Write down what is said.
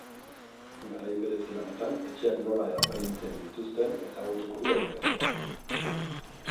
Garai berezi honetan etxeak nola apaintzen dituzten ezagutuko du aurkezleak.